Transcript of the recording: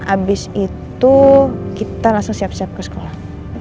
abis itu kita langsung siap siap ke sekolah